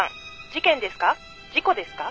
事件ですか？